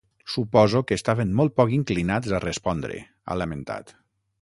Suposo que estaven molt poc inclinats a respondre, ha lamentat.